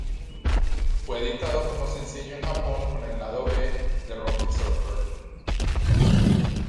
Fue editado como sencillo en Japón con el lado B "The Rocking Surfer".